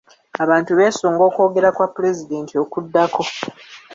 Abantu beesunga okwogera kwa pulezidenti okuddako.